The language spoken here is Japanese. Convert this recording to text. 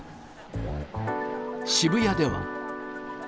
渋谷では。